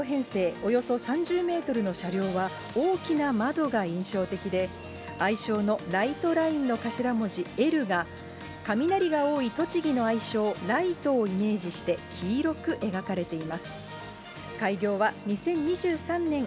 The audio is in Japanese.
およそ３０メートルの車両は、大きな窓が印象的で、愛称のライトラインの頭文字、Ｌが雷が多い栃木の愛称、雷都をイメージして、黄色く描かれています。